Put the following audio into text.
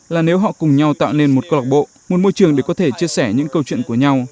là nếu họ cùng nhau tạo nên một câu lạc bộ một môi trường để có thể chia sẻ những câu chuyện của nhau